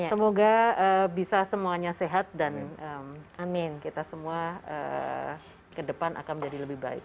semoga bisa semuanya sehat dan amin kita semua ke depan akan menjadi lebih baik